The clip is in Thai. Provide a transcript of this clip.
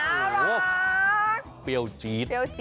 น้ำ